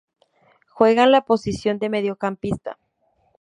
Juega en la posición de Mediocampista.